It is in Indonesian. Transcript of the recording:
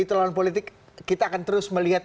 itu lawan politik kita akan terus melihat